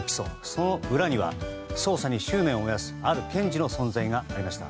その裏には捜査に執念を燃やすある検事の存在がありました。